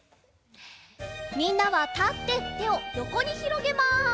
みんなはたっててをよこにひろげます！